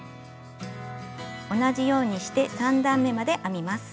同じようにして３段めまで編みます。